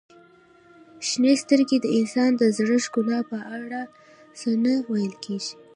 • شنې سترګې د انسان د زړه ښکلا په اړه څه نه ویل کیږي.